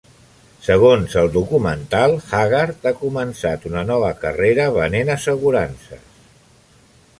Segons el documental, Haggard ha començat una nova carrera venent assegurances.